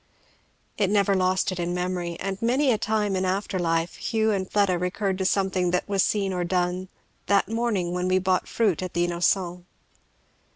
It never lost it in memory; and many a time in after life Hugh and Fleda recurred to something that was seen or done "that morning when we bought fruit at the Innocens."